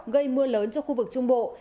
gây mưa lớn cho khu vực trung bộ